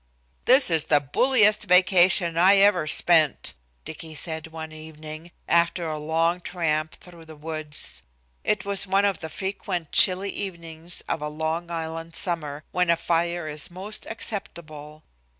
"This is the bulliest vacation I ever spent," Dicky said one evening, after a long tramp through the woods. It was one of the frequent chilly evenings of a Long Island summer, when a fire is most acceptable.